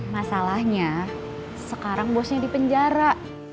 masalahnya sekarang bosnya di penjara